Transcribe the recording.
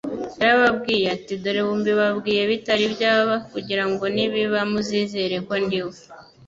Yarababwiye ati: "Dore ubu mbibabwiye bitari byaba kugira ngo nibiba muzizere ko ndi we."